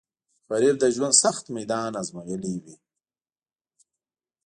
غریب د ژوند سخت میدان ازمویلی وي